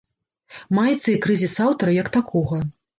Маецца і крызіс аўтара як такога.